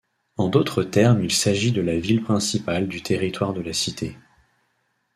En d'autres termes il s'agit de la ville principale du territoire de la cité.